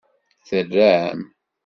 Terram.